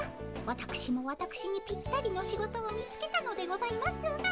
わたくしもわたくしにぴったりの仕事を見つけたのでございますが。